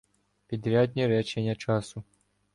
Підрядні речення часу